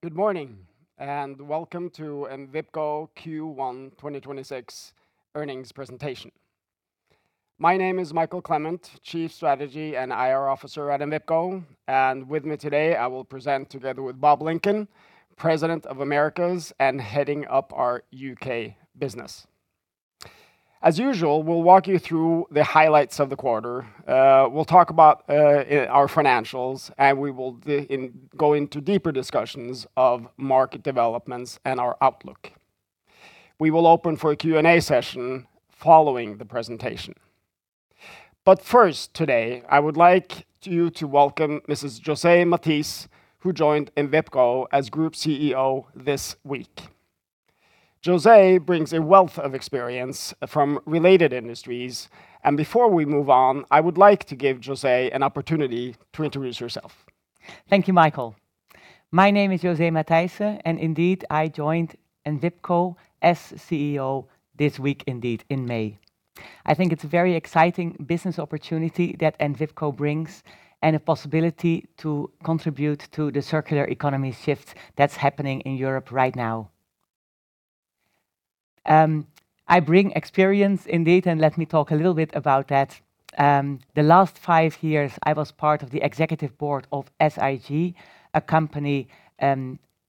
Good morning, welcome to Envipco Q1 2026 earnings presentation. My name is Mikael Clement, Chief Strategy and IR Officer at Envipco, and with me today I will present together with Bob Lincoln, President of Americas and heading up our U.K. business. As usual, we'll walk you through the highlights of the quarter. We'll talk about our financials, and we will go into deeper discussions of market developments and our outlook. We will open for a Q&A session following the presentation. First, today, I would like you to welcome Mrs. José Matthijsse, who joined Envipco as Group CEO this week. José brings a wealth of experience from related industries, and before we move on, I would like to give José an opportunity to introduce herself. Thank you, Mikael. My name is José Matthijsse, and indeed, I joined Envipco as CEO this week indeed, in May. I think it's a very exciting business opportunity that Envipco brings and a possibility to contribute to the circular economy shift that's happening in Europe right now. I bring experience indeed, and let me talk a little bit about that. The last five years, I was part of the executive board of SIG, a company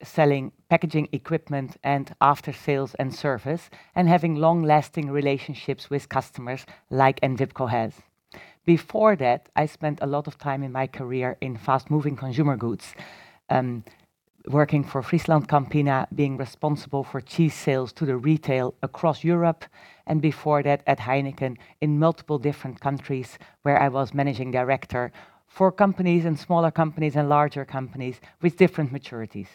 selling packaging equipment and after-sales and service, and having long-lasting relationships with customers like Envipco has. Before that, I spent a lot of time in my career in fast-moving consumer goods, working for FrieslandCampina, being responsible for cheese sales to the retail across Europe. Before that, at HEINEKEN in multiple different countries where I was managing director for companies and smaller companies and larger companies with different maturities.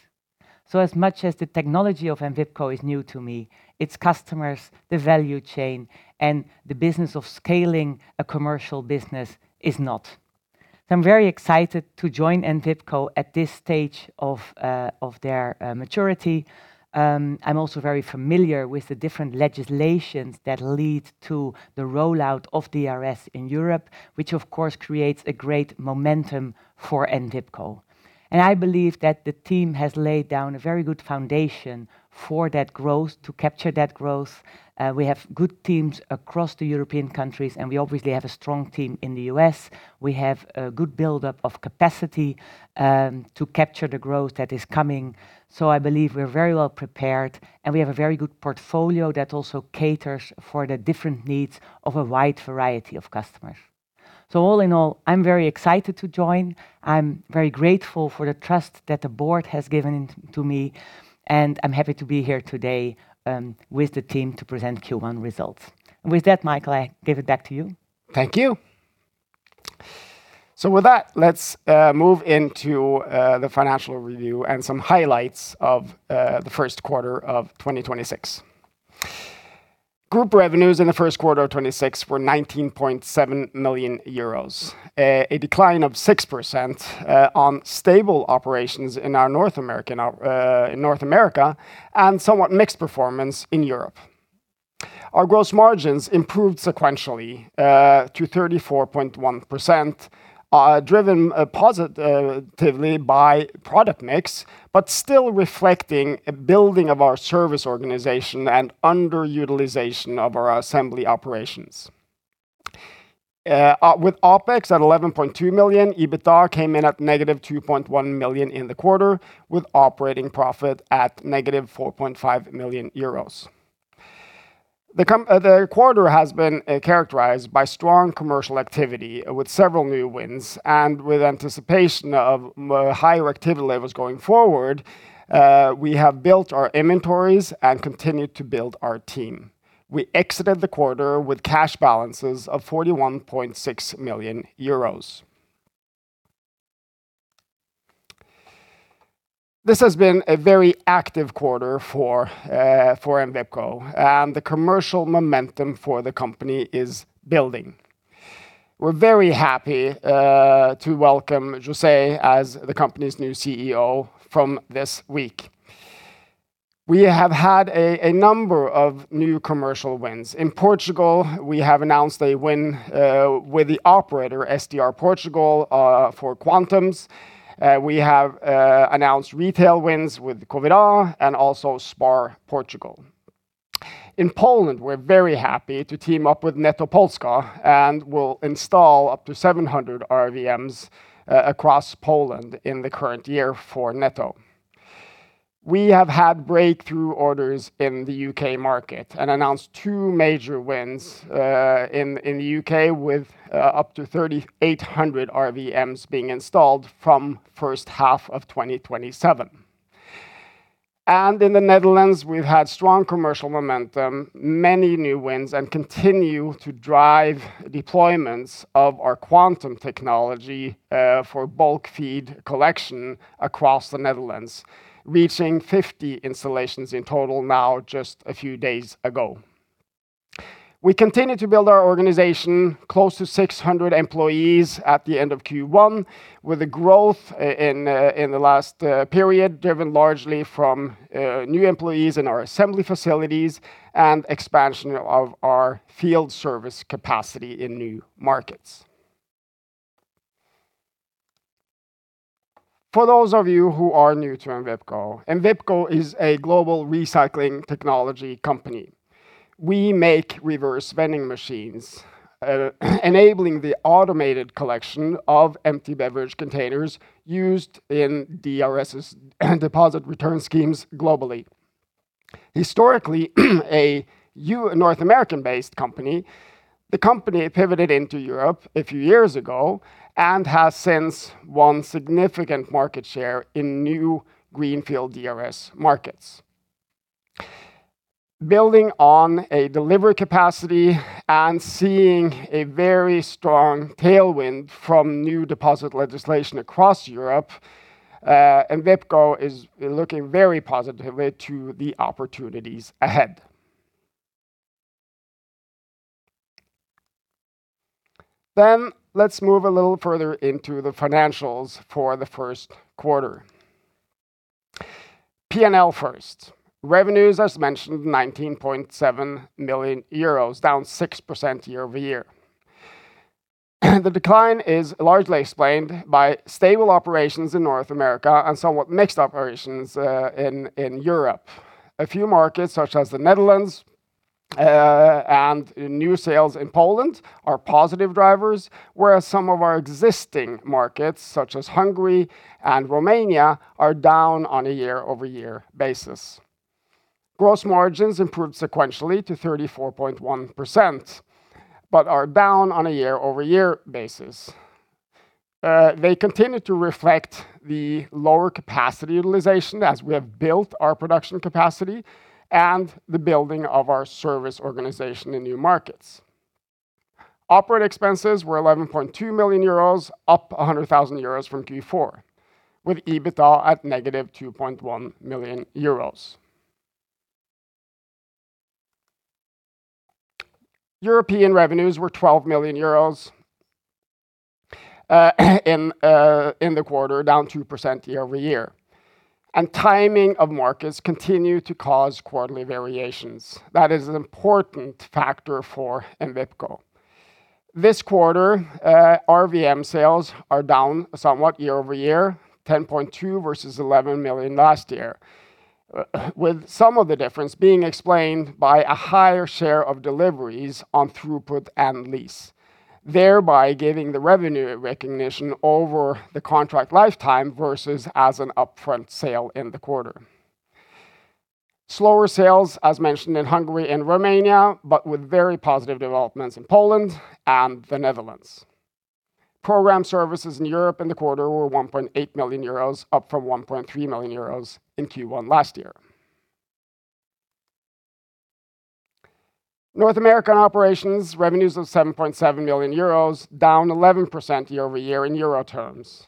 As much as the technology of Envipco is new to me, its customers, the value chain, and the business of scaling a commercial business is not. I'm very excited to join Envipco at this stage of their maturity. I'm also very familiar with the different legislations that lead to the rollout of DRS in Europe, which, of course, creates a great momentum for Envipco. I believe that the team has laid down a very good foundation for that growth to capture that growth. We have good teams across the European countries, and we obviously have a strong team in the U.S. We have a good buildup of capacity to capture the growth that is coming. I believe we're very well prepared, and we have a very good portfolio that also caters for the different needs of a wide variety of customers. All in all, I'm very excited to join. I'm very grateful for the trust that the board has given to me, and I'm happy to be here today with the team to present Q1 results. With that, Mikael, I give it back to you. Thank you. With that, let's move into the financial review and some highlights of the first quarter of 2026. Group revenues in the first quarter of 2026 were 19.7 million euros, a decline of 6% on stable operations in North America, and somewhat mixed performance in Europe. Our gross margins improved sequentially to 34.1%, driven positively by product mix, but still reflecting a building of our service organization and underutilization of our assembly operations. With OPEX at 11.2 million, EBITDA came in at -2.1 million in the quarter, with operating profit at -4.5 million euros. The quarter has been characterized by strong commercial activity with several new wins, and with anticipation of higher activity levels going forward, we have built our inventories and continued to build our team. We exited the quarter with cash balances of 41.6 million euros. This has been a very active quarter for Envipco, and the commercial momentum for the company is building. We're very happy to welcome José as the company's new CEO from this week. We have had a number of new commercial wins. In Portugal, we have announced a win with the operator, SDR Portugal, for Quantums. We have announced retail wins with Covirán and also SPAR Portugal. In Poland, we're very happy to team up with Netto Polska, and we'll install up to 700 RVMs across Poland in the current year for Netto. We have had breakthrough orders in the U.K. market and announced two major wins in the U.K. with up to 3,800 RVMs being installed from first half of 2027. In the Netherlands, we've had strong commercial momentum, many new wins, and continue to drive deployments of our Quantum technology for bulk feed collection across the Netherlands, reaching 50 installations in total now just a few days ago. We continue to build our organization, close to 600 employees at the end of Q1, with a growth in the last period driven largely from new employees in our assembly facilities and expansion of our field service capacity in new markets. Those of you who are new to Envipco is a global recycling technology company. We make reverse vending machines, enabling the automated collection of empty beverage containers used in DRS's deposit return schemes globally. Historically, a North American-based company, the company pivoted into Europe a few years ago and has since won significant market share in new greenfield DRS markets. Building on a delivery capacity and seeing a very strong tailwind from new deposit legislation across Europe, Envipco is looking very positively to the opportunities ahead. Let's move a little further into the financials for the first quarter. P&L first. Revenues, as mentioned, 19.7 million euros, down 6% year-over-year. The decline is largely explained by stable operations in North America and somewhat mixed operations in Europe. A few markets, such as the Netherlands, and new sales in Poland are positive drivers, whereas some of our existing markets, such as Hungary and Romania, are down on a year-over-year basis. Gross margins improved sequentially to 34.1%, but are down on a year-over-year basis. They continue to reflect the lower capacity utilization as we have built our production capacity and the building of our service organization in new markets. Operating expenses were 11.2 million euros, up 100,000 euros from Q4, with EBITDA at -2.1 million euros. European revenues were 12 million euros in the quarter, down 2% year-over-year. Timing of markets continue to cause quarterly variations. That is an important factor for Envipco. This quarter, RVM sales are down somewhat year-over-year, 10.2 versus 11 million last year, with some of the difference being explained by a higher share of deliveries on throughput and lease, thereby giving the revenue recognition over the contract lifetime versus as an upfront sale in the quarter. Slower sales, as mentioned, in Hungary and Romania, with very positive developments in Poland and the Netherlands. Program services in Europe in the quarter were 1.8 million euros, up from 1.3 million euros in Q1 last year. North American operations, revenues of 7.7 million euros, down 11% year-over-year in euro terms.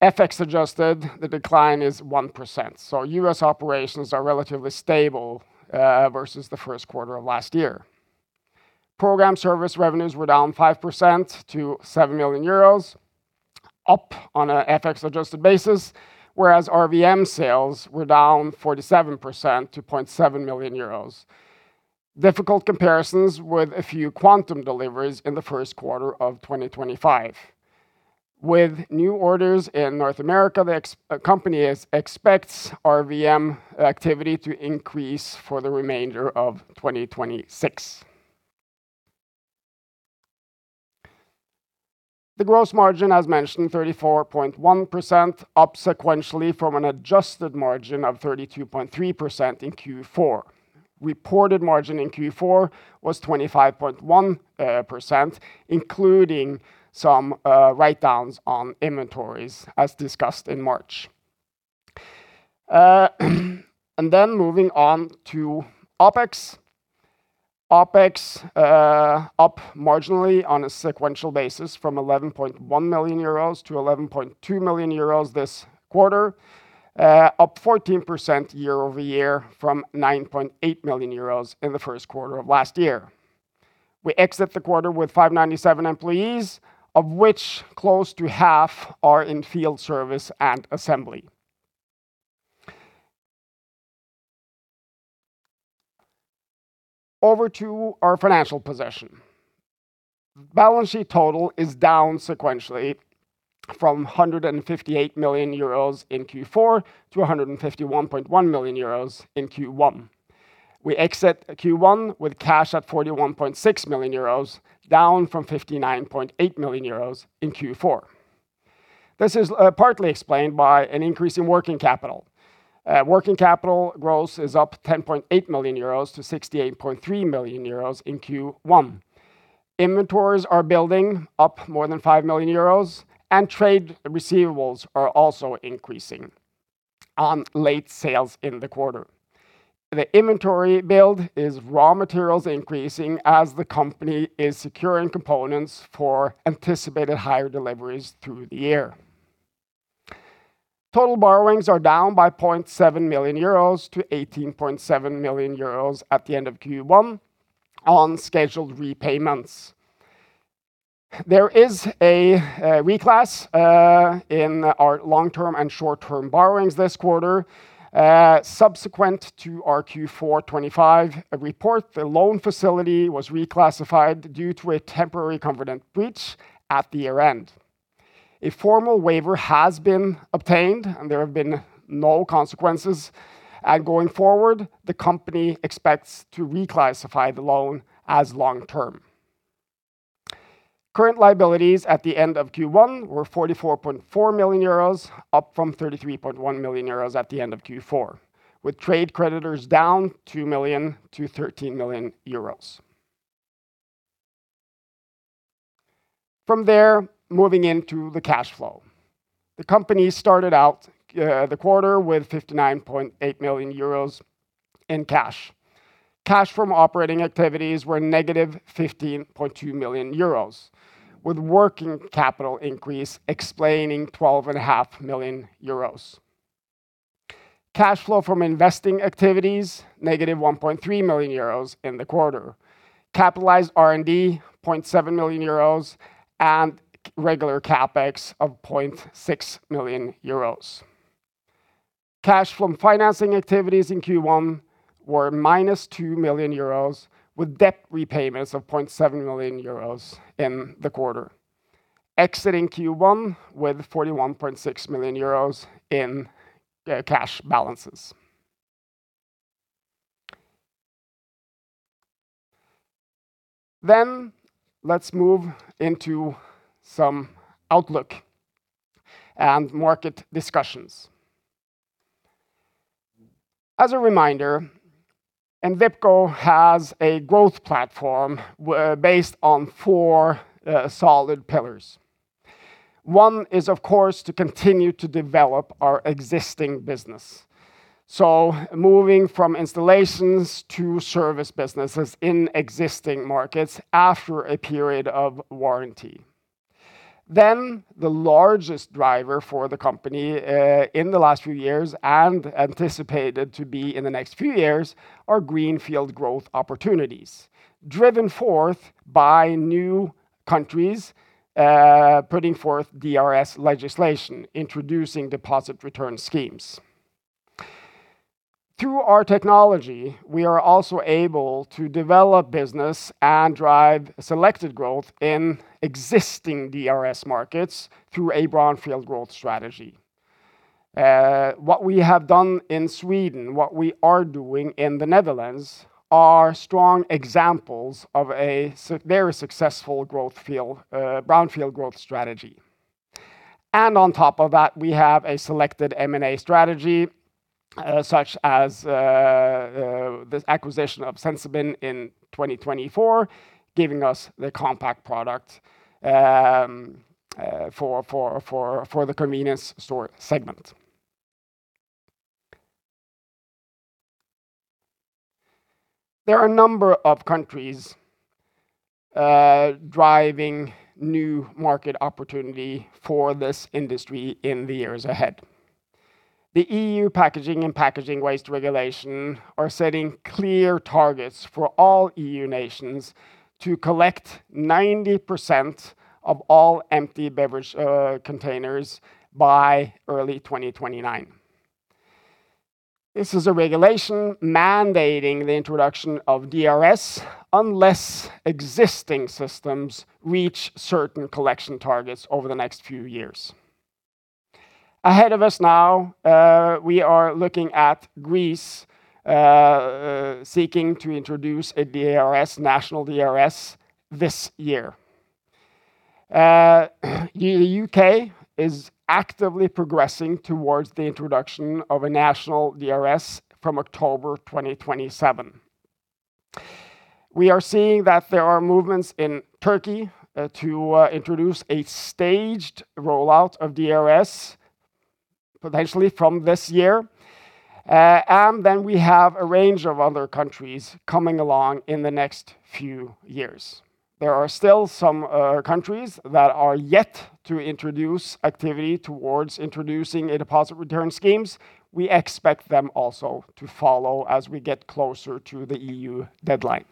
FX adjusted, the decline is 1%. U.S. operations are relatively stable versus the first quarter of last year. Program service revenues were down 5% to 7 million euros, up on a FX-adjusted basis, whereas RVM sales were down 47% to 0.7 million euros. Difficult comparisons with a few Quantum deliveries in the first quarter of 2025. With new orders in North America, the company expects RVM activity to increase for the remainder of 2026. The gross margin, as mentioned, 34.1%, up sequentially from an adjusted margin of 32.3% in Q4. Reported margin in Q4 was 25.1%, including some write-downs on inventories, as discussed in March. Moving on to OpEx. OpEx up marginally on a sequential basis from 11.1 million euros to 11.2 million euros this quarter, up 14% year-over-year from 9.8 million euros in the first quarter of last year. We exit the quarter with 597 employees, of which close to half are in field service and assembly. Over to our financial position. Balance sheet total is down sequentially from 158 million euros in Q4 to 151.1 million euros in Q1. We exit Q1 with cash at 41.6 million euros, down from 59.8 million euros in Q4. This is partly explained by an increase in working capital. Working capital gross is up 10.8 million euros to 68.3 million euros in Q1. Inventories are building up more than 5 million euros, and trade receivables are also increasing on late sales in the quarter. The inventory build is raw materials increasing as the company is securing components for anticipated higher deliveries through the year. Total borrowings are down by 0.7 million euros to 18.7 million euros at the end of Q1 on scheduled repayments. There is a reclass in our long-term and short-term borrowings this quarter. Subsequent to our Q4 2025 report, the loan facility was reclassified due to a temporary covenant breach at the year-end. A formal waiver has been obtained, and there have been no consequences. Going forward, the company expects to reclassify the loan as long term. Current liabilities at the end of Q1 were 44.4 million euros, up from 33.1 million euros at the end of Q4, with trade creditors down 2 million to 13 million euros. From there, moving into the cash flow. The company started out the quarter with 59.8 million euros in cash. Cash from operating activities were -15.2 million euros, with working capital increase explaining 12.5 million euros. Cash flow from investing activities, -1.3 million euros in the quarter. Capitalized R&D, 0.7 million euros, and regular CapEx of 0.6 million euros. Cash from financing activities in Q1 were -2 million euros, with debt repayments of 0.7 million euros in the quarter. Exiting Q1 with 41.6 million euros in cash balances. Let's move into some outlook and market discussions. As a reminder, Envipco has a growth platform based on four solid pillars. One is, of course, to continue to develop our existing business. Moving from installations to service businesses in existing markets after a period of warranty. The largest driver for the company in the last few years and anticipated to be in the next few years are greenfield growth opportunities, driven forth by new countries putting forth DRS legislation, introducing deposit return schemes. Through our technology, we are also able to develop business and drive selected growth in existing DRS markets through a brownfield growth strategy. What we have done in Sweden, what we are doing in the Netherlands, are strong examples of a very successful brownfield growth strategy. On top of that, we have a selected M&A strategy, such as the acquisition of Sensibin in 2024, giving us the Compact product for the convenience store segment. There are a number of countries driving new market opportunity for this industry in the years ahead. The EU Packaging and Packaging Waste Regulation are setting clear targets for all EU nations to collect 90% of all empty beverage containers by early 2029. This is a regulation mandating the introduction of DRS unless existing systems reach certain collection targets over the next few years. Ahead of us now, we are looking at Greece seeking to introduce a DRS, national DRS this year. The U.K. is actively progressing towards the introduction of a national DRS from October 2027. We are seeing that there are movements in Turkey to introduce a staged rollout of DRS, potentially from this year. Then we have a range of other countries coming along in the next few years. There are still some countries that are yet to introduce activity towards introducing a deposit return schemes. We expect them also to follow as we get closer to the EU deadline.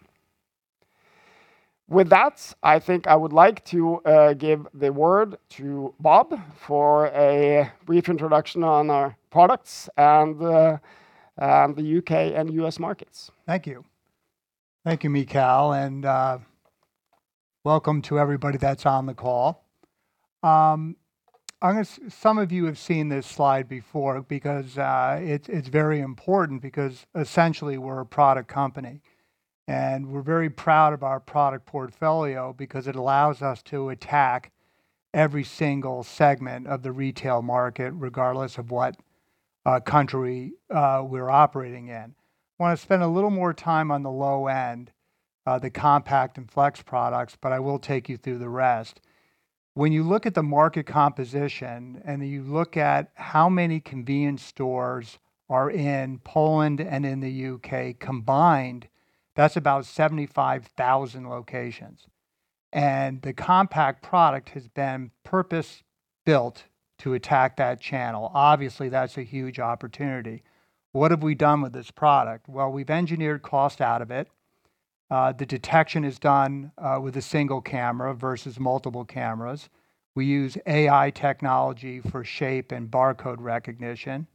With that, I think I would like to give the word to Bob for a brief introduction on our products and the U.K. and U.S. markets. Thank you. Thank you, Mikael, and welcome to everybody that's on the call. I guess some of you have seen this slide before, because it's very important, because essentially we're a product company. We're very proud of our product portfolio because it allows us to attack every single segment of the retail market, regardless of what country we're operating in. Wanna spend a little more time on the low end, the Compact and Flex products, I will take you through the rest. When you look at the market composition, and you look at how many convenience stores are in Poland and in the U.K. combined, that's about 75,000 locations. The Compact product has been purpose-built to attack that channel. Obviously, that's a huge opportunity. What have we done with this product? Well, we've engineered cost out of it. The detection is done with a single camera versus multiple cameras. We use AI technology for shape and barcode recognition.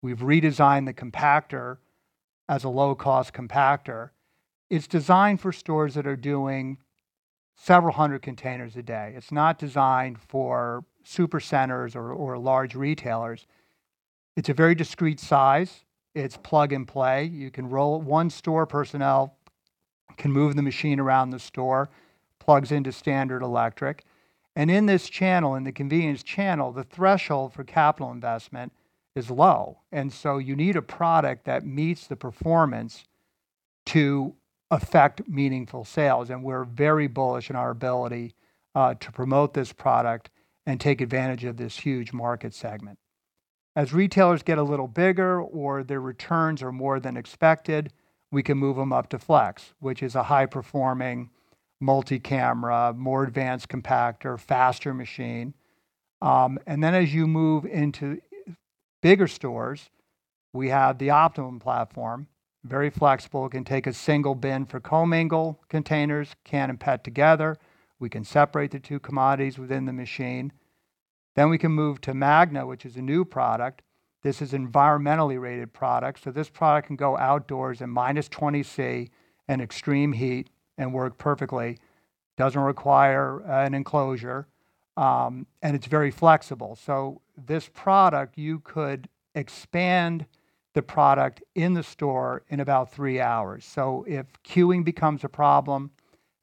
We've redesigned the Compact. As a low-cost compactor, it is designed for stores that are doing several hundred containers a day. It is not designed for supercenters or large retailers. It is a very discreet size. It is plug and play. One store personnel can move the machine around the store, plugs into standard electric. In this channel, in the convenience channel, the threshold for capital investment is low; you need a product that meets the performance to affect meaningful sales. We are very bullish in our ability to promote this product and take advantage of this huge market segment. As retailers get a little bigger or their returns are more than expected, we can move them up to Flex, which is a high-performing multi-camera, more advanced compactor, faster machine. Then as you move into bigger stores, we have the Optima platform, very flexible, can take a single bin for co-mingle containers, Can and PET together. We can separate the two commodities within the machine. We can move to Magna, which is a new product. This is environmentally rated product. This product can go outdoors in -20 C and extreme heat and work perfectly. Doesn't require an enclosure, and it's very flexible. This product, you could expand the product in the store in about three hours. If queuing becomes a problem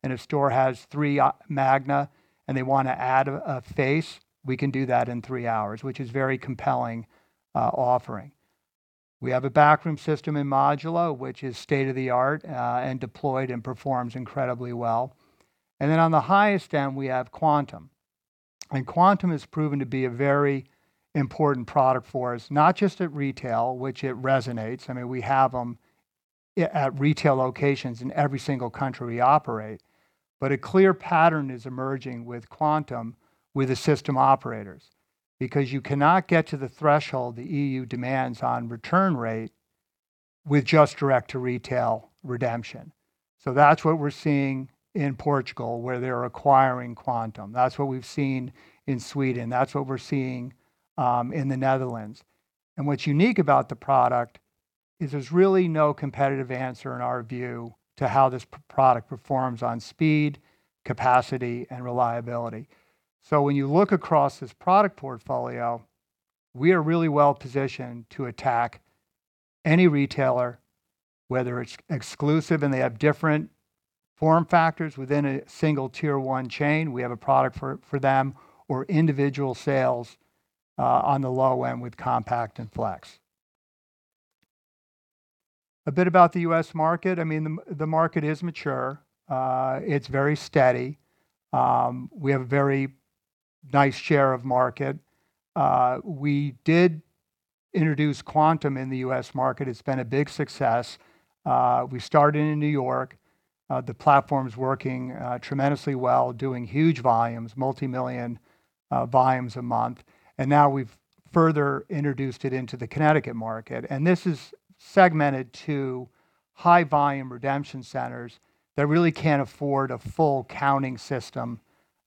and a store has 3 Magna and they wanna add a face, we can do that in three hours, which is very compelling offering. We have a backroom system in Modula, which is state-of-the-art and deployed and performs incredibly well. On the highest end, we have Quantum. Quantum has proven to be a very important product for us, not just at retail, which it resonates. I mean, we have them at retail locations in every single country we operate. A clear pattern is emerging with Quantum with the system operators, because you cannot get to the threshold the EU demands on return rate with just direct-to-retail redemption. That's what we're seeing in Portugal, where they're acquiring Quantum. That's what we've seen in Sweden. That's what we're seeing in the Netherlands. What's unique about the product is there's really no competitive answer in our view to how this product performs on speed, capacity, and reliability. When you look across this product portfolio, we are really well-positioned to attack any retailer, whether it's exclusive and they have different form factors within a single Tier-1 chain, we have a product for them or individual sales on the low end with Compact and Flex. A bit about the U.S. market. I mean, the market is mature. It's very steady. We have a very nice share of market. We did introduce Quantum in the U.S. market. It's been a big success. We started in New York. The platform's working tremendously well, doing huge volumes, multimillion volumes a month. Now we've further introduced it into the Connecticut market, this is segmented to high-volume redemption centers that really can't afford a full counting system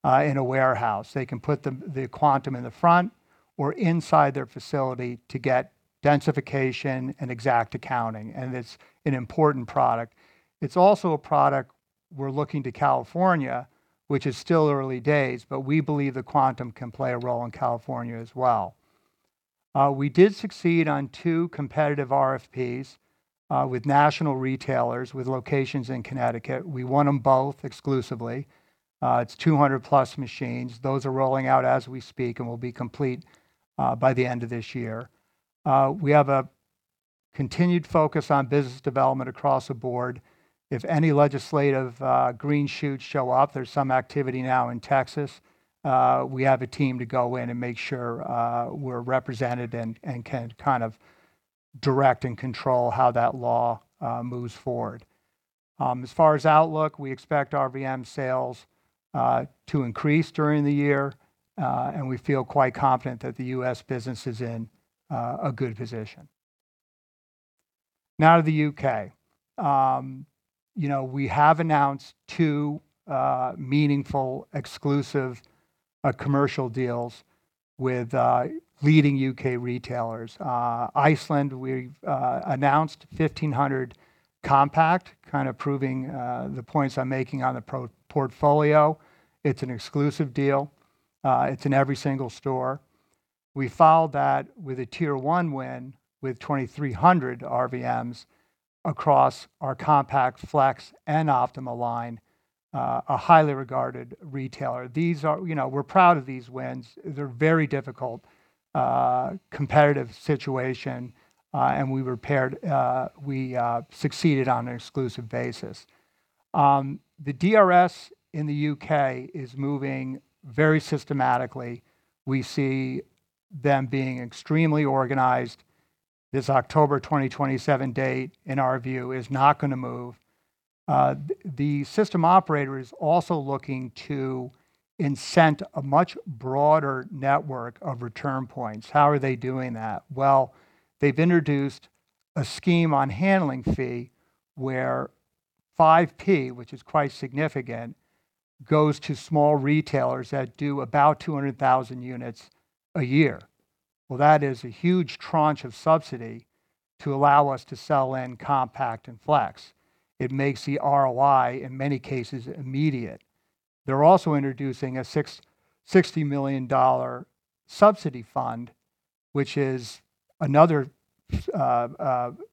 in a warehouse. They can put the Quantum in the front or inside their facility to get densification and exact accounting; it's an important product. It's also a product we're looking to California, which is still early days, we believe the Quantum can play a role in California as well. We did succeed on two competitive RFPs with national retailers with locations in Connecticut. We won them both exclusively. It's 200+ machines. Those are rolling out as we speak and will be complete by the end of this year. We have a continued focus on business development across the board. If any legislative green shoots show up, there's some activity now in Texas, we have a team to go in and make sure we're represented and can kind of direct and control how that law moves forward. As far as outlook, we expect RVM sales to increase during the year, and we feel quite confident that the U.S. business is in a good position. Now to the U.K. You know, we have announced two meaningful exclusive commercial deals with leading U.K. retailers. Iceland, we've announced 1,500 Compact, kind of proving the points I'm making on the portfolio. It's an exclusive deal. It's in every single store. We followed that with a Tier-1 win with 2,300 RVMs across our Compact, Flex, and Optima line, a highly regarded retailer. You know, we're proud of these wins. They're very difficult, competitive situation, and we succeeded on an exclusive basis. The DRS in the U.K. is moving very systematically. We see them being extremely organized. This October 2027 date, in our view, is not going to move. The system operator is also looking to incent a much broader network of return points. How are they doing that? Well, they've introduced a scheme on handling fee where 0.05, which is quite significant, goes to small retailers that do about 200,000 units a year. Well, that is a huge tranche of subsidy to allow us to sell in Compact and Flex. It makes the ROI, in many cases, immediate. They're also introducing a $60 million subsidy fund, which is another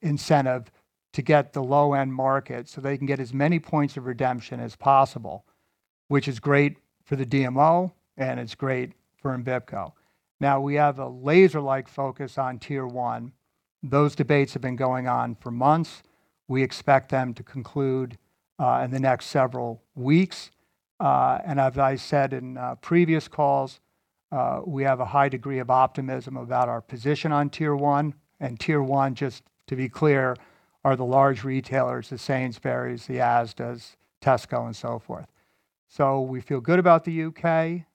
incentive to get the low-end market, so they can get as many points of redemption as possible, which is great for the DMO and it's great for Envipco. We have a laser-like focus on Tier-1. Those debates have been going on for months. We expect them to conclude in the next several weeks. As I said in previous calls, we have a high degree of optimism about our position on Tier-1. Tier-1, just to be clear, are the large retailers, the Sainsbury's, the Asdas, Tesco, and so forth. We feel good about the U.K.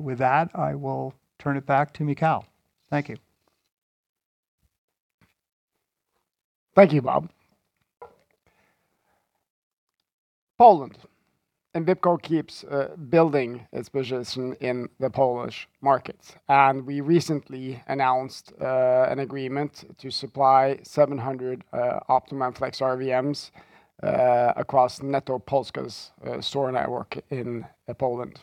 With that, I will turn it back to Mikael. Thank you. Thank you, Bob. Poland. Envipco keeps building its business in the Polish markets. We recently announced an agreement to supply 700 Optima Flex RVMs across Netto Polska's store network in Poland.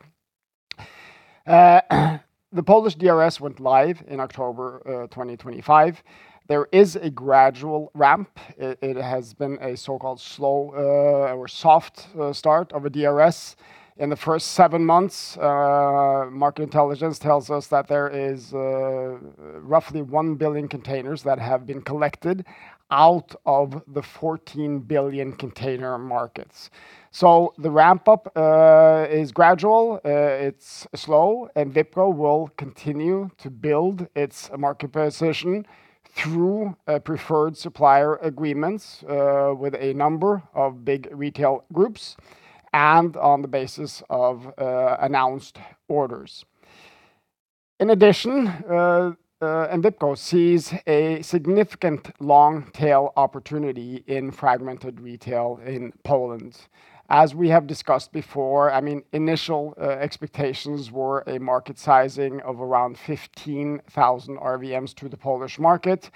The Polish DRS went live in October 2025. There is a gradual ramp. It has been a so-called slow or soft start of a DRS. In the first seven months, market intelligence tells us that there is roughly 1 billion containers that have been collected out of the 14 billion container markets. The ramp-up is gradual, it's slow, Envipco will continue to build its market position through preferred supplier agreements with a number of big retail groups and on the basis of announced orders. Envipco sees a significant long-tail opportunity in fragmented retail in Poland. We have discussed before, I mean, initial expectations were a market sizing of around 15,000 RVMs to the Polish market.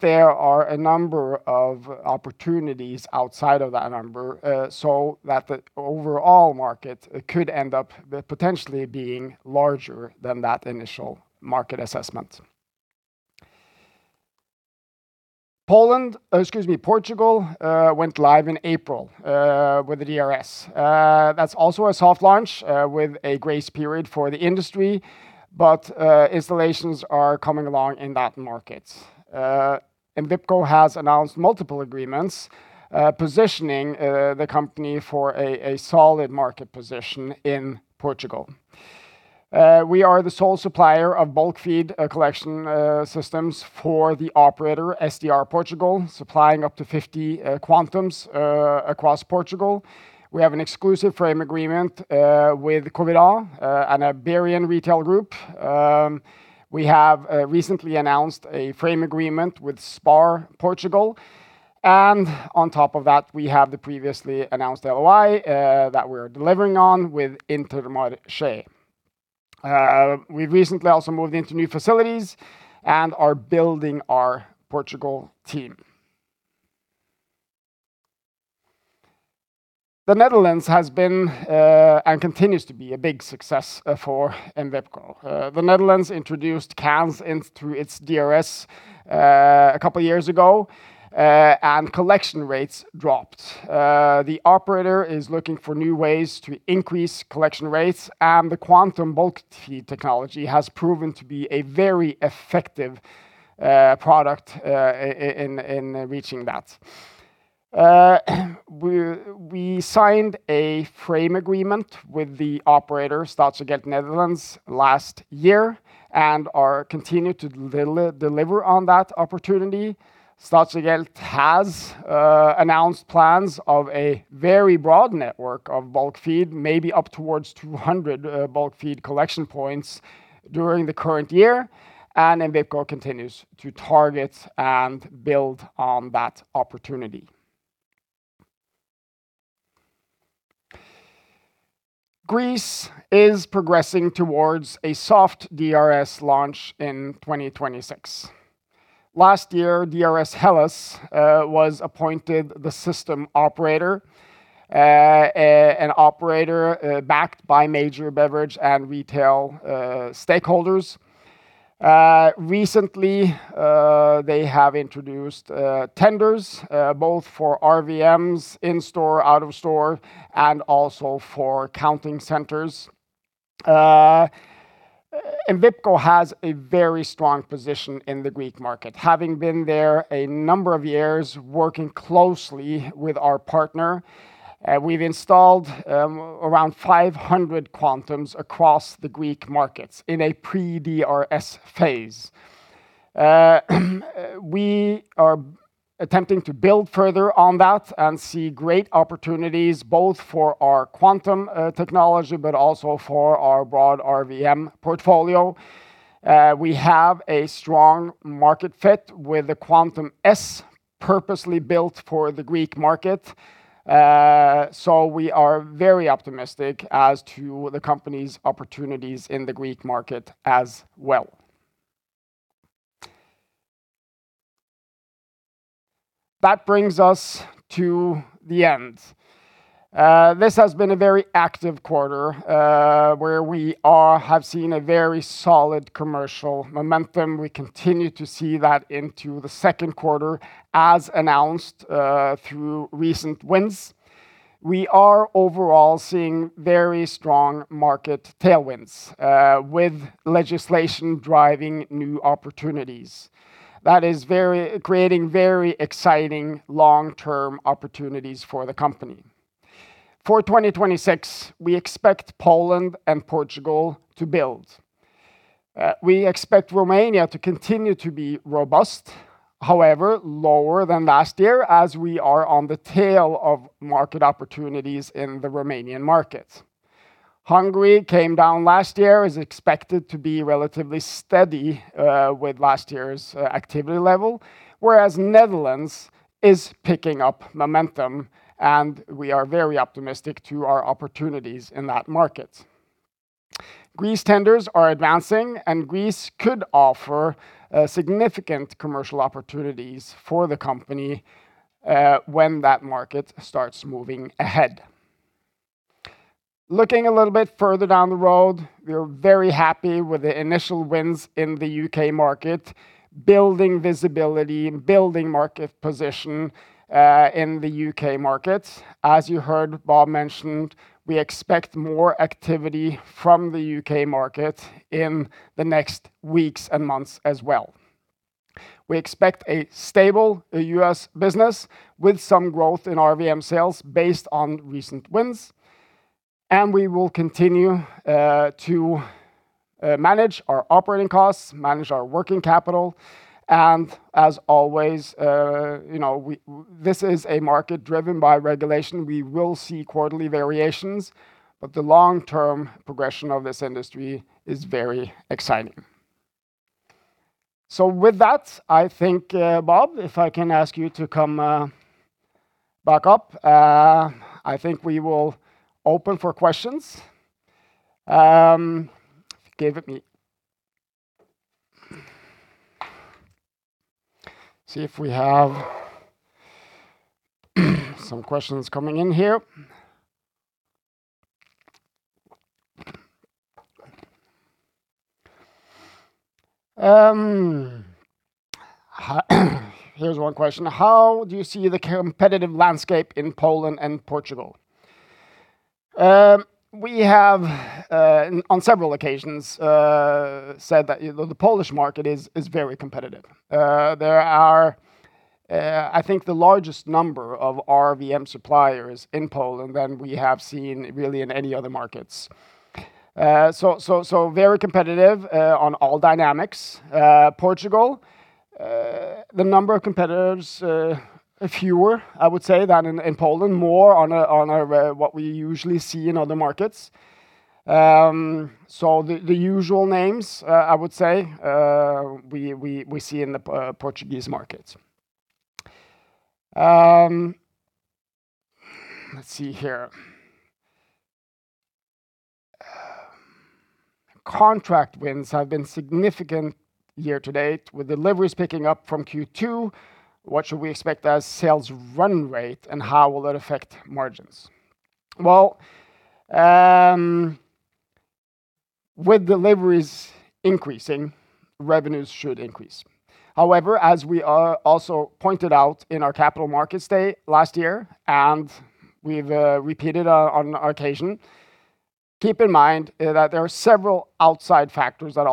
There are a number of opportunities outside of that number, so that the overall market could end up potentially being larger than that initial market assessment. Portugal went live in April with the DRS. That's also a soft launch with a grace period for the industry. Installations are coming along in that market. Envipco has announced multiple agreements, positioning the company for a solid market position in Portugal. We are the sole supplier of bulk feed collection systems for the operator, SDR Portugal, supplying up to 50 Quantums across Portugal. We have an exclusive frame agreement with Covirán, an Iberian retail group. We have recently announced a frame agreement with SPAR Portugal. On top of that, we have the previously announced LOI that we're delivering on with Intermarché. We've recently also moved into new facilities and are building our Portugal team. The Netherlands has been and continues to be a big success for Envipco. The Netherlands introduced cans in through its DRS a couple of years ago, and collection rates dropped. The operator is looking for new ways to increase collection rates. The Quantum bulk feed technology has proven to be a very effective product in reaching that. We signed a frame agreement with the operator, Statiegeld Nederland, last year and are continuing to deliver on that opportunity. Statiegeld Nederland has announced plans of a very broad network of bulk feed, maybe up towards 200 bulk feed collection points during the current year. Envipco continues to target and build on that opportunity. Greece is progressing towards a soft DRS launch in 2026. Last year, DRS Hellas was appointed the system operator, an operator backed by major beverage and retail stakeholders. Recently, they have introduced tenders both for RVMs in-store, out-of-store, and also for counting centers. Envipco has a very strong position in the Greek market, having been there a number of years working closely with our partner. We've installed around 500 Quantums across the Greek markets in a pre-DRS phase. We are attempting to build further on that and see great opportunities both for our Quantum technology, but also for our broad RVM portfolio. We have a strong market fit with the Quantum S purposely built for the Greek market. We are very optimistic as to the company's opportunities in the Greek market as well. That brings us to the end. This has been a very active quarter, where we have seen a very solid commercial momentum. We continue to see that into the second quarter, as announced, through recent wins. We are overall seeing very strong market tailwinds, with legislation driving new opportunities. Creating very exciting long-term opportunities for the company. For 2026, we expect Poland and Portugal to build. We expect Romania to continue to be robust, however, lower than last year, as we are on the tail of market opportunities in the Romanian market. Hungary came down last year, is expected to be relatively steady with last year's activity level, whereas Netherlands is picking up momentum. We are very optimistic to our opportunities in that market. Greece tenders are advancing. Greece could offer significant commercial opportunities for the company when that market starts moving ahead. Looking a little bit further down the road, we're very happy with the initial wins in the U.K. market, building visibility, building market position in the U.K. market. As you heard Bob mention, we expect more activity from the U.K. market in the next weeks and months as well. We expect a stable U.S. business with some growth in RVM sales based on recent wins, and we will continue to manage our operating costs, manage our working capital and, as always, you know, this is a market driven by regulation. We will see quarterly variations, but the long-term progression of this industry is very exciting. With that, I think, Bob, if I can ask you to come back up, I think we will open for questions. See if we have some questions coming in here. Here's one question: "How do you see the competitive landscape in Poland and Portugal?" We have on several occasions said that, you know, the Polish market is very competitive. There are, I think, the largest number of RVM suppliers in Poland than we have seen really in any other markets. Very competitive on all dynamics. Portugal, the number of competitors, fewer, I would say, than in Poland, more on a what we usually see in other markets. The usual names, I would say, we see in the Portuguese market. Let's see here. "Contract wins have been significant year to date, with deliveries picking up from Q2. What should we expect as sales run rate, and how will it affect margins?" Well, with deliveries increasing, revenues should increase. As we also pointed out in our Capital Markets Day last year, and we've repeated on occasion, keep in mind that there are several outside factors that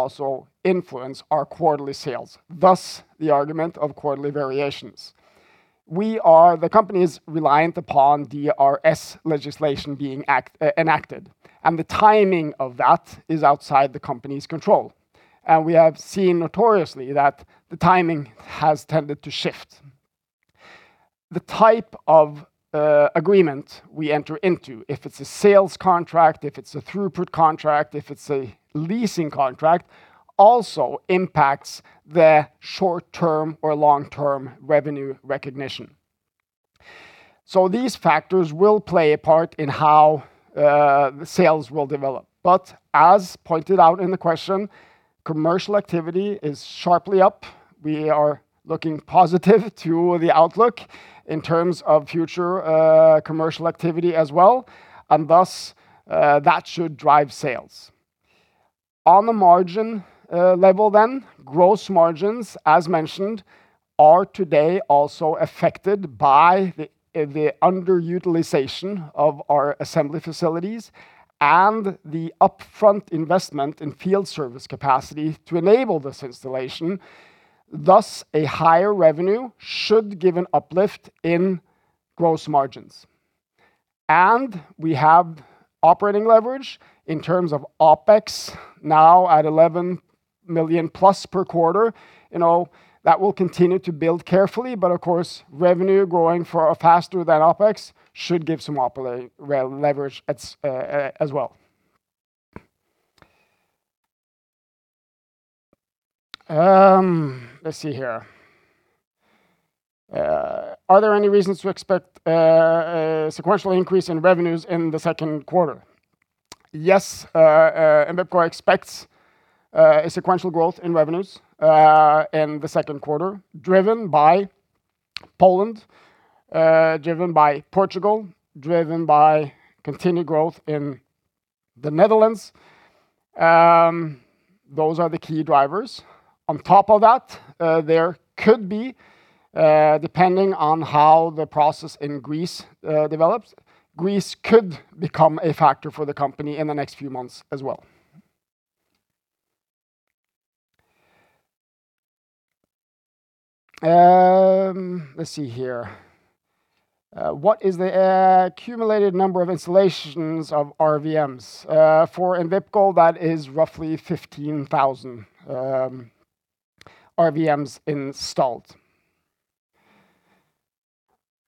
also influence our quarterly sales, thus the argument of quarterly variations. The company is reliant upon DRS legislation being enacted, and the timing of that is outside the company's control. We have seen notoriously that the timing has tended to shift. The type of agreement we enter into, if it's a sales contract, if it's a throughput contract, if it's a leasing contract, also impacts the short-term or long-term revenue recognition. These factors will play a part in how sales will develop. As pointed out in the question, commercial activity is sharply up. We are looking positive to the outlook in terms of future commercial activity as well, that should drive sales. On the margin level, gross margins, as mentioned, are today also affected by the underutilization of our assembly facilities and the upfront investment in field service capacity to enable this installation; a higher revenue should give an uplift in gross margins. We have operating leverage in terms of OpEx now at 11 million+ per quarter. You know, that will continue to build carefully, revenue growing faster than OpEx, should give some leverage as well. Let's see here. Are there any reasons to expect a sequential increase in revenues in the second quarter? Envipco expects a sequential growth in revenues in the second quarter, driven by Poland, driven by Portugal, driven by continued growth in the Netherlands. Those are the key drivers. On top of that, there could be, depending on how the process in Greece develops, Greece could become a factor for the company in the next few months as well. Let's see here. What is the accumulated number of installations of RVMs? For Envipco, that is roughly 15,000 RVMs installed.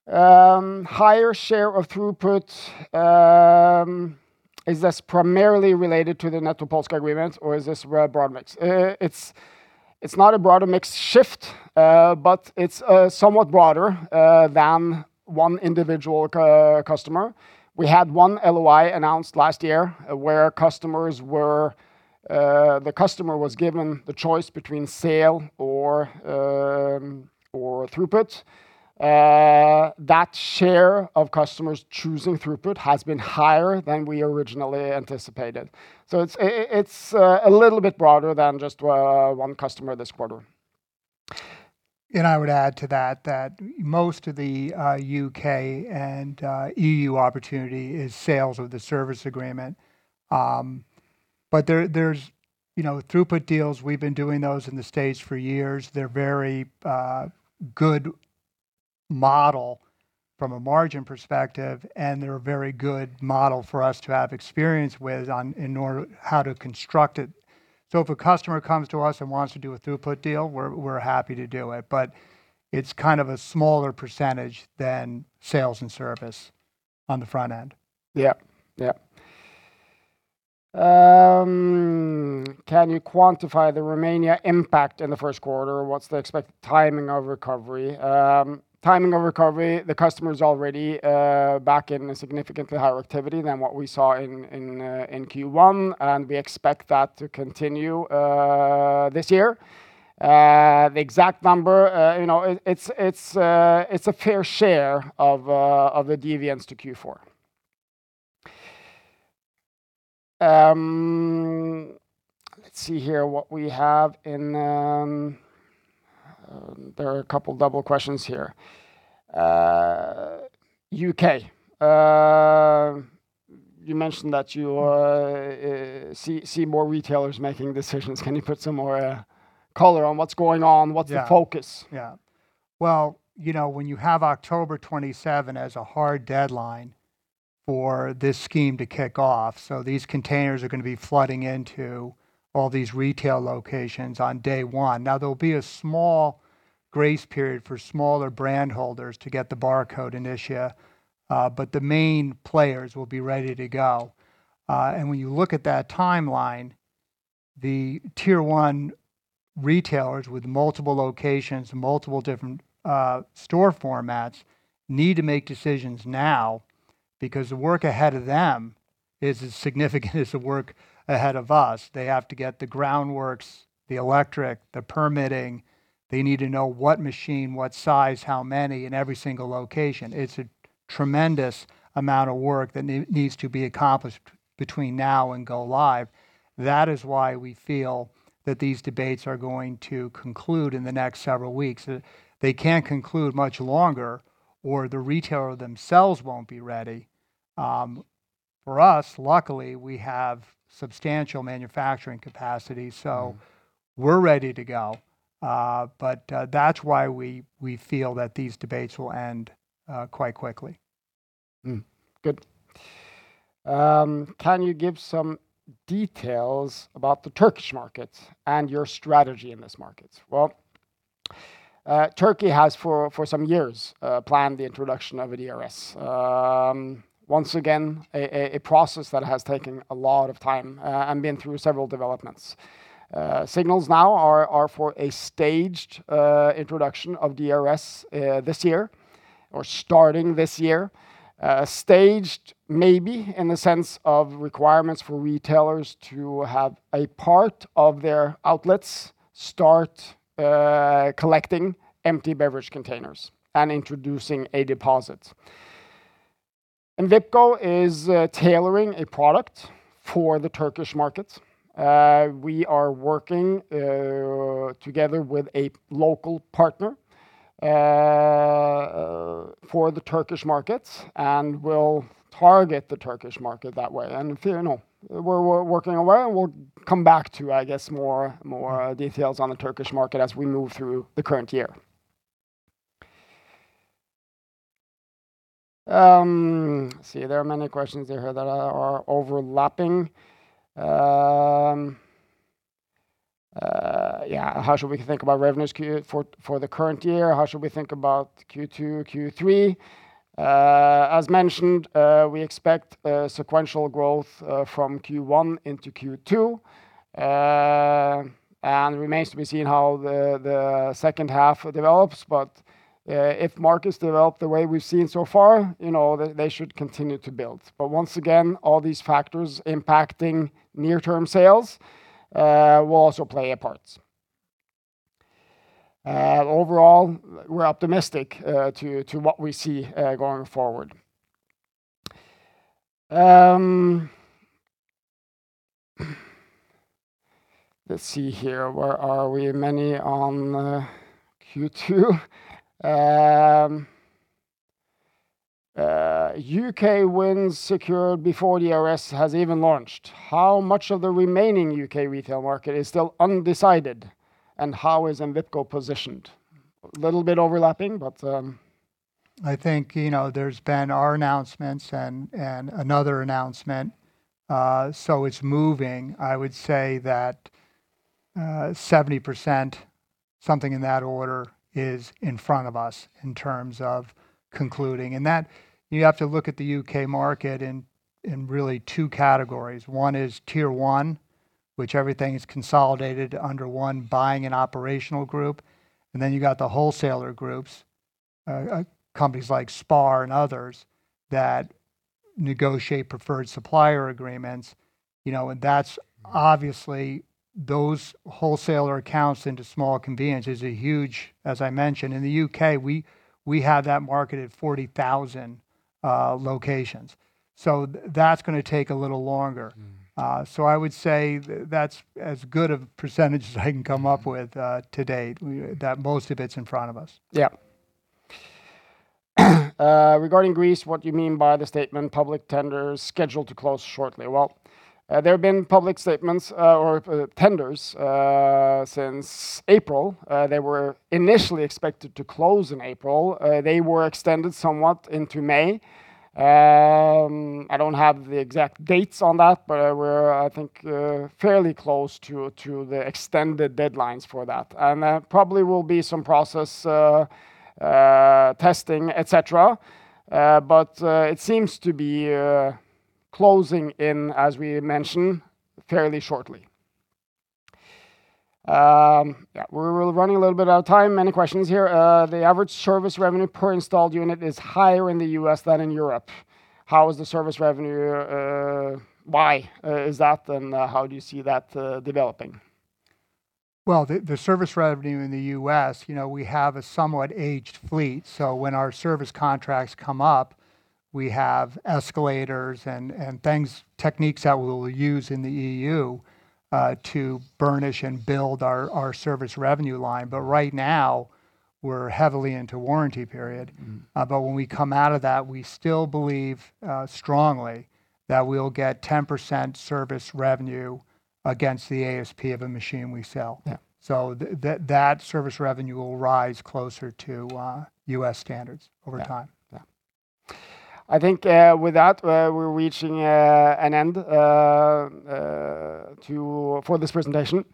A higher share of throughput, is this primarily related to the Netto Polska agreement, or is this a broad mix? It's not a broader mix shift, but it's somewhat broader than one individual customer. We had 1 LOI announced last year where the customer was given the choice between sale or throughput. That share of customers choosing throughput has been higher than we originally anticipated. It's a little bit broader than just one customer this quarter. I would add to that most of the U.K. and E.U. opportunity is sales of the service agreement. There, there's, you know, throughput deals, we've been doing those in the U.S. for years. They're very good model from a margin perspective, and they're a very good model for us to have experience with on in order how to construct it. If a customer comes to us and wants to do a throughput deal, we're happy to do it, but it's kind of a smaller percentage than sales and service on the front end. Yeah. Can you quantify the Romania impact in the first quarter? What's the expected timing of recovery? Timing of recovery, the customer's already back in a significantly higher activity than what we saw in Q1, and we expect that to continue this year. The exact number, you know, it's a fair share of the deviance to Q4. Let's see here what we have. There are a couple double questions here. U.K. You mentioned that you see more retailers making decisions. Can you put some more color on what's going on? Yeah. What's the focus? Yeah. Well, you know, when you have October 27 as a hard deadline for this scheme to kick off, these containers are going to be flooding into all these retail locations on day one. Now, there'll be a small grace period for smaller brand holders to get the barcode initiate, but the main players will be ready to go. When you look at that timeline, the Tier-1 retailers with multiple locations, multiple different store formats need to make decisions now because the work ahead of them is as significant as the work ahead of us. They have to get the groundworks, the electric, the permitting. They need to know what machine, what size, how many in every single location. It's a tremendous amount of work that needs to be accomplished between now and go-live. That is why we feel that these debates are going to conclude in the next several weeks. They can't conclude much longer, or the retailer themselves won't be ready. For us, luckily, we have substantial manufacturing capacity. We're ready to go. That's why we feel that these debates will end quite quickly. Can you give some details about the Turkish market and your strategy in this market? Turkey has, for some years, planned the introduction of a DRS. Once again, a process that has taken a lot of time and been through several developments. Signals now are for a staged introduction of DRS this year or starting this year. Staged, maybe in the sense of requirements for retailers to have a part of their outlets start collecting empty beverage containers and introducing a deposit. Envipco is tailoring a product for the Turkish market. We are working together with a local partner for the Turkish market, and we'll target the Turkish market that way. If you know, we're working our way, and we'll come back to, I guess, more details on the Turkish market as we move through the current year. See, there are many questions here that are overlapping. How should we think about revenues for the current year? How should we think about Q2, Q3? As mentioned, we expect sequential growth from Q1 into Q2. Remains to be seen how the second half develops. If markets develop the way we've seen so far, you know, they should continue to build. Once again, all these factors impacting near-term sales will also play a part. Overall, we're optimistic to what we see going forward. Let's see here. Where are we? Many on Q2. U.K. wins secured before the DRS has even launched. How much of the remaining U.K. retail market is still undecided, and how is Envipco positioned? Little bit overlapping. I think, you know, there's been our announcements and another announcement, it's moving. I would say that 70%, something in that order, is in front of us in terms of concluding. That you have to look at the U.K. market in really two categories. One is Tier-1, which everything is consolidated under one buying and operational group, and then you got the wholesaler groups, companies like SPAR and others, that negotiate preferred supplier agreements, you know. That's obviously those wholesaler accounts into small convenience is a huge, as I mentioned. In the U.K., we have that market at 40,000 locations. That's gonna take a little longer. I would say that's as good a percentage as I can come up with, to date. That most of it's in front of us. Yeah. Regarding Greece, what do you mean by the statement, "Public tenders scheduled to close shortly"? There have been public statements or tenders since April. They were initially expected to close in April. They were extended somewhat into May. I don't have the exact dates on that, but we're I think fairly close to the extended deadlines for that. Probably will be some process, testing, et cetera. It seems to be closing in, as we mentioned fairly shortly. Yeah. We're running a little bit out of time. Many questions here. The average service revenue per installed unit is higher in the U.S. than in Europe. How is the service revenue? Why is that? How do you see that developing? Well, the service revenue in the U.S., you know, we have a somewhat aged fleet, so when our service contracts come up, we have escalators and things, techniques that we'll use in the EU, to burnish and build our service revenue line. Right now, we're heavily into warranty period. When we come out of that, we still believe strongly that we'll get 10% service revenue against the ASP of a machine we sell. Yeah. That service revenue will rise closer to U.S. standards over time. Yeah. I think, with that, we're reaching an end for this presentation.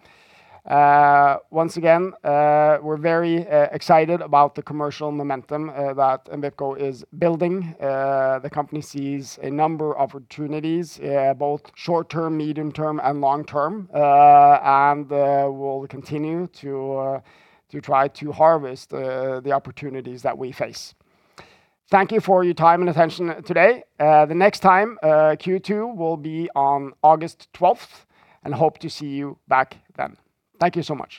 Once again, we're very excited about the commercial momentum that Envipco is building. The company sees a number of opportunities, both short-term, medium-term, and long-term. And, we'll continue to try to harvest the opportunities that we face. Thank you for your time and attention today. The next time, Q2 will be on August 12th, and hope to see you back then. Thank you so much.